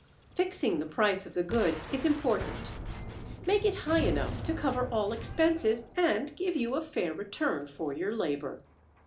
Fixing the price of the goods is important. Make it high enough to cover all expenses and give you a fair return for your labor.